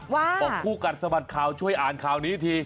ว่าบอกคู่กันสมัครข่าวช่วยอ่านข่าวนี้ที